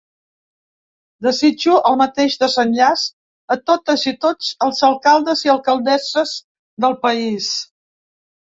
Desitjo el mateix desenllaç a totes i tots els alcaldes i alcaldesses del país.